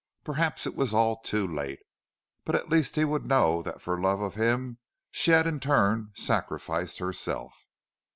Perhaps it was all too late, but at least he would know that for love of him she had in turn sacrificed herself.